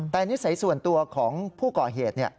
แต่นิสัยส่วนตัวของผู้ก่อเหตุ